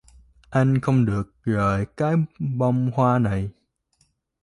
Anh không được rời cái bông hoa này